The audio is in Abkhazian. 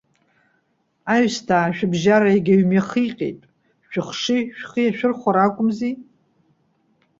Аҩсҭаа шәыбжьара иагьаҩы мҩахиҟьеит. Шәыхшыҩ шәхы иашәырхәар акәымзи?